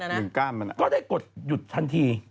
หนึ่งก้ามมันอ่ะนะฟังก์ก็ได้กดหยุดทันที